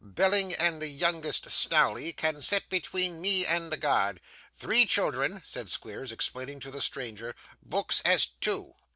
Belling and the youngest Snawley can sit between me and the guard. Three children,' said Squeers, explaining to the stranger, 'books as two.